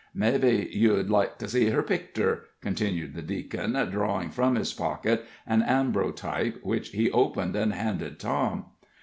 Mebbe you'd like to see her pictur," continued the deacon, drawing from his pocket an ambrotype, which he opened and handed Tom.